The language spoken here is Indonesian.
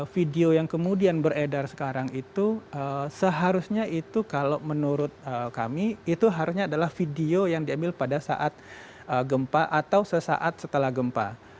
video yang kemudian beredar sekarang itu seharusnya itu kalau menurut kami itu harusnya adalah video yang diambil pada saat gempa atau sesaat setelah gempa